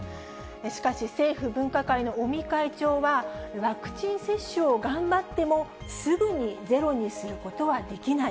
しかし、政府分科会の尾身会長は、ワクチン接種を頑張っても、すぐにゼロにすることはできない。